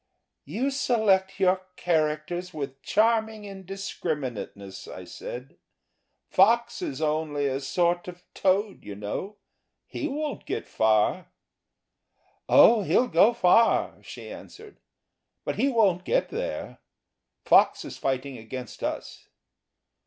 "You select your characters with charming indiscriminateness," I said. "Fox is only a sort of toad, you know he won't get far." "Oh, he'll go far," she answered, "but he won't get there. Fox is fighting against us."